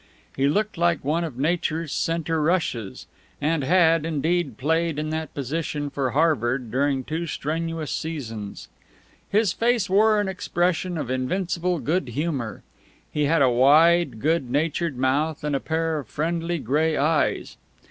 He looked like one of nature's center rushes, and had, indeed, played in that position for Harvard during two strenuous seasons. His face wore an expression of invincible good humor. He had a wide, good natured mouth, and a pair of friendly gray eyes.